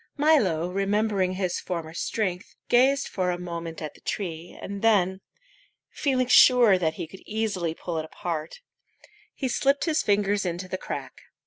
Milo, remembering his former strength, gazed for a moment at the tree, and then, feeling sure that he could easily pull it apart, he slipped his fingers into the crack.